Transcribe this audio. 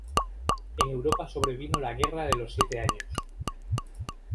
En Europa sobrevino la Guerra de los Siete Años.